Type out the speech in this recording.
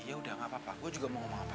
yaudah gapapa gue juga mau ngomong apa